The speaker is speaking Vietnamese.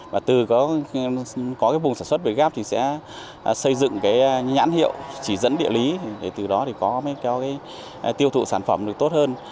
và từ có cái vùng sản xuất về gáp thì sẽ xây dựng cái nhãn hiệu chỉ dẫn địa lý để từ đó thì có cái tiêu thụ sản phẩm được tốt hơn